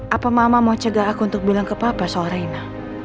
apa mama mau cegah aku untuk bilang ke papa soal rena